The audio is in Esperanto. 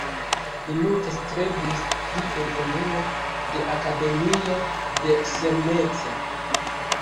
Li multe strebis pri evoluo de Akademio de Selmec.